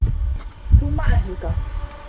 ثُمَّ أَهْلُك